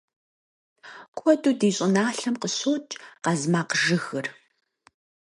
Куэду ди щӏыналъэм къыщокӏ къазмакъжыгыр.